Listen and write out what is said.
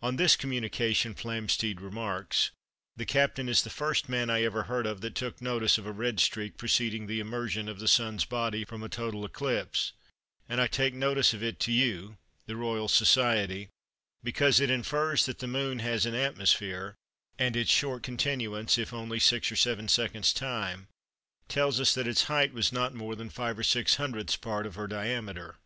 On this communication Flamsteed remarks:—"The Captain is the first man I ever heard of that took notice of a red streak preceding the emersion of the Sun's body from a total eclipse, and I take notice of it to you [the Royal Society], because it infers that the Moon has an atmosphere; and its short continuance, if only six or seven seconds' time, tells us that its height was not more than five or six hundredths part of her diameter."